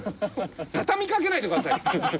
畳みかけないでください！